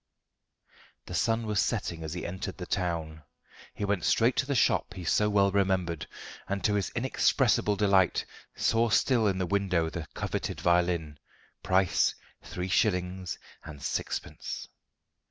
The sun was setting as he entered the town. He went straight to the shop he so well remembered, and to his inexpressible delight saw still in the window the coveted violin, price three shillings and sixpence.